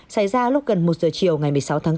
xảy ra lúc gần một giờ chiều ngày một mươi sáu tháng bốn